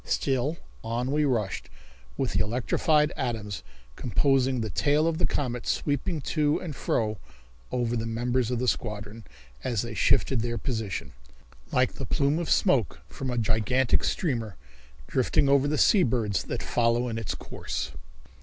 Still on we rushed with the electrified atoms composing the tail of the comet sweeping to and fro over the members of the squadron, as they shifted their position, like the plume of smoke from a gigantic steamer, drifting over the sea birds that follow in its course.